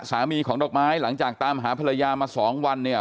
สามีของดอกไม้หลังจากตามหาภรรยามาสองวันเนี่ย